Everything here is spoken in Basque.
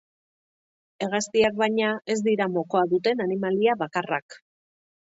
Hegaztiak, baina, ez dira mokoa duten animalia bakarrak.